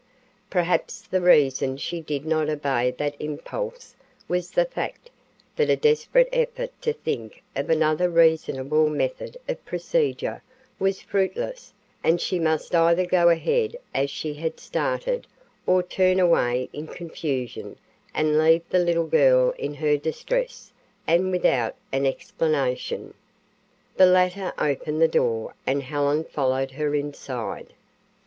Perhaps the reason she did not obey that impulse was the fact that a desperate effort to think of another reasonable method of procedure was fruitless and she must either go ahead as she had started or turn away in confusion and leave the little girl in her distress and without an explanation. The latter opened the door and Helen followed her inside.